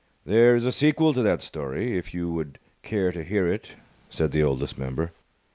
"There is a sequel to that story, if you would care to hear it," said the Oldest Member.